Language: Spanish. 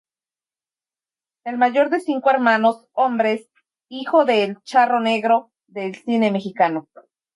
El mayor de cinco hermanos hombres, hijos de "El Charro Negro" del cine mexicano.